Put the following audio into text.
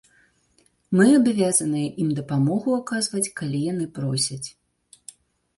Мы абавязаныя ім дапамогу аказваць, калі яны просяць.